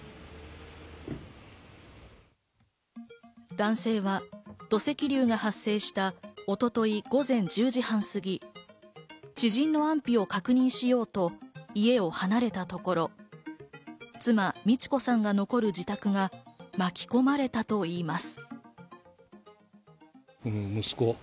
男性は土石流が発生した一昨日午前１０時半すぎ、知人の安否を確認しようと家を離れたところ、妻・路子さんが残る自宅が巻き込まれたといいます。